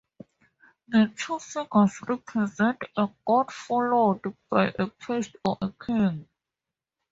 The two figures represent a god followed by a priest or a king.